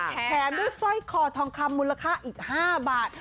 แถมใบซ่อยคอทองคำมูลค่าอีก๕บาท